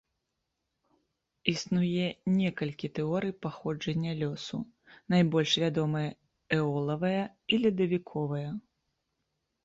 Існуе некалькі тэорый паходжання лёсу, найбольш вядомыя эолавая і ледавіковая.